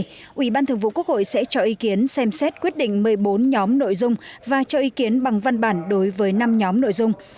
phó chủ tịch thường trực quốc hội sẽ cho ý kiến xem xét quyết định một mươi bốn nhóm nội dung và cho ý kiến bằng văn bản đối với năm nhóm nội dung